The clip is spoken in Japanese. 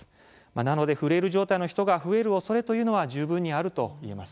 なのでフレイル状態の人が増えるおそれは十分あると思います。